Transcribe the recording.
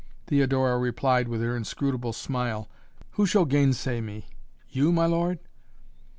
Theodora replied with her inscrutable smile. "Who shall gainsay me? You my lord?"